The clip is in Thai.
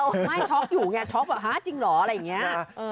ไม่ช็อกอยู่ไงช็อกแบบฮาจริงเหรออะไรอย่างนี้